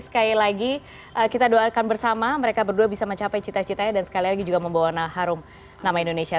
sekali lagi kita doakan bersama mereka berdua bisa mencapai cita citanya dan sekali lagi juga membawa harum nama indonesia